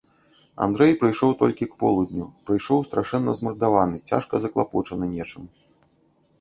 Андрэй прыйшоў толькі к полудню, прыйшоў страшэнна змардаваны, цяжка заклапочаны нечым.